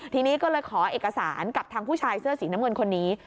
ทีนี้ก็เลยขอเอกสารกับทางผู้ชายเสื้อสีน้ำเงินคนนี้